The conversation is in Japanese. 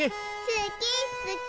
すきっすき！